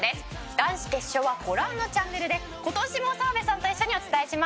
男子決勝はご覧のチャンネルで今年も澤部さんと一緒にお伝えします。